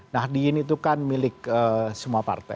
nahdiyin itu kan milik semua partai